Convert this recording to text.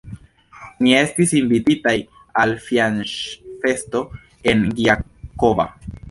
Ni estis invititaj al fianĉfesto en Gjakova.